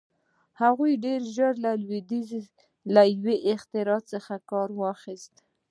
هغوی ډېر ژر له لوېدیځ له یوې اختراع څخه کار واخیست.